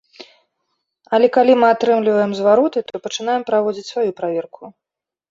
Але калі мы атрымліваем звароты, то пачынаем праводзіць сваю праверку.